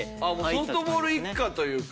ソフトボール一家というか。